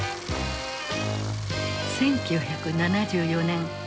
１９７４年。